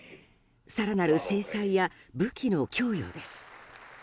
更なる制裁や武器の供与です。